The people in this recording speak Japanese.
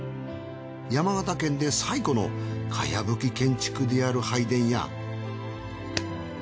山形県で最古の茅葺建築である拝殿や。